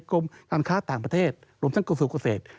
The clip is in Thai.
กรมการค้าต่างประเทศหรือทั้งกษุเกษตร